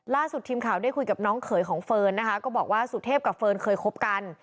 ล่าสุดทีมข่าวได้คุยกับน้องเขยของเฟิร์นนะคะก็บอกว่าสุเทพกับเฟิร์นเคยคบกัน